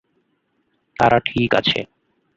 তারা ঠিক আছে।